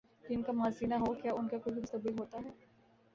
جن کا ماضی نہ ہو، کیا ان کا کوئی مستقبل ہوتا ہے؟